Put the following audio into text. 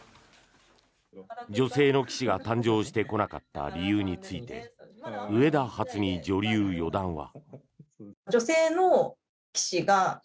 女性の棋士が誕生してこなかった理由について上田初美女流四段は。